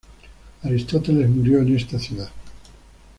Aristóteles murió en esta ciudad.